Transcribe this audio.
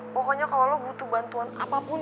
pokoknya kalau lo butuh bantuan apapun